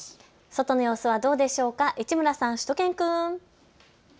外の様子はどうでしょうか、市村さん、しゅと犬くん。